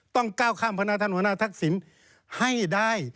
ต้องก้าวข้ามพนักท่านหัวหน้าทักษิณให้ได้